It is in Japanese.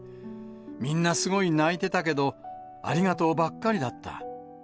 みんなすごい泣いてたけど、ありがとうばっかりだった。